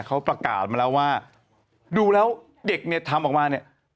เขาประกาศมาแล้วว่าดูแล้วเด็กเนี่ยทำออกมาเนี่ย